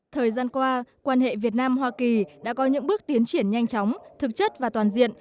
thời gian qua quan hệ việt nam hoa kỳ đã có những bước tiến triển nhanh chóng thực chất và toàn diện